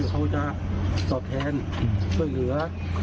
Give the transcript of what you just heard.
เขาจะตอบแทนช่วยเหลือ